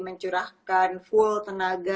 mencurahkan full tenaga